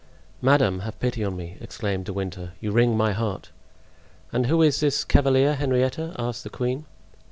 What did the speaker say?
"Madame, have pity on me," exclaimed De Winter; "you wring my heart!" "And who is this cavalier, Henrietta?" asked the queen.